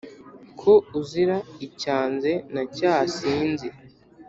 Ko uzira icyanze na cya sinzi